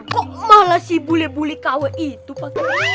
kok malah si bule bule kw itu pak